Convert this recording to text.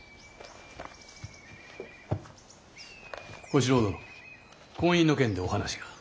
小四郎殿婚姻の件でお話が。